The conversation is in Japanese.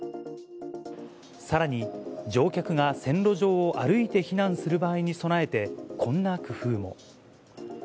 さらに、乗客が線路上を歩いて避難する場合に備えて、こんな工夫も。